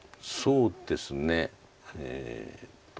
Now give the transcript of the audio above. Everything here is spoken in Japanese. そうですね。